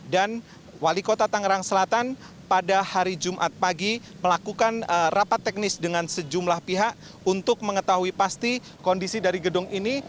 dan wali kota tangerang selatan pada hari jumat pagi melakukan rapat teknis dengan sejumlah pihak untuk mengetahui pasti kondisi dari gedung ini